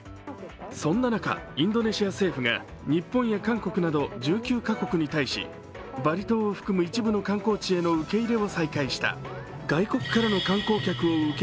そんな中、インドネシア政府が日本や韓国など１９カ国に対しバリ島を含む一部の受け入れが再開した。